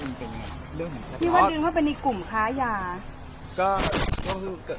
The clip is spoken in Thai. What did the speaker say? ซึ่งมันเป็นเรื่องในสมมติการตรวจนะครับก็จากนั้นข้อมูลคุ้มแท็กนะครับ